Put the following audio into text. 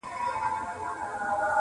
عالمه یو تر بل جارېږی٫